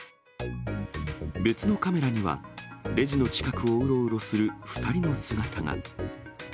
別のカメラにはレジの近くをうろうろする２人の姿が。